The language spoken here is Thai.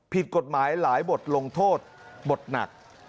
ผิดกฎหมายหลายบทลงโทษบทหนัก